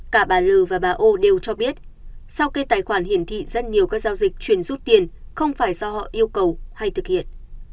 cả bà l và bà o đều cho biết sao kê tài khoản hiển thị rất nhiều các giao dịch chuyển rút tiền không phải do họ yêu cầu hay thực hiện